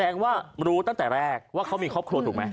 แสดงว่ารู้ตั้งแต่แรกว่าเขามีครอบครัวถูกไหม